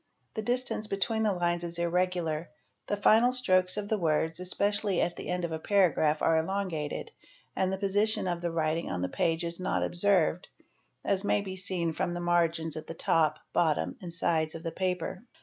The distance between the _ lines is irregular ; the final strokes of the words, especially at the end of a paragraph, are elongated, and the position of the writing on the page is not observed, as may be seen from the margins at the top, bottom, and sides of the paper.